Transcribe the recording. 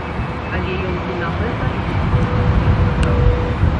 Але ён і на гэта ні слова не адказаў.